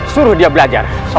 suruh dia belanjakan